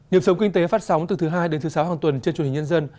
nhiệm sống kinh tế phát sóng từ thứ hai đến thứ sáu hàng tuần trên truyền hình nhân dân